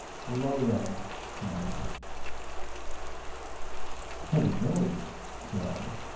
Below there!' to night?" "Heaven knows," said I.